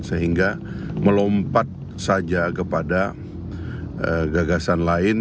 sehingga melompat saja kepada gagasan lain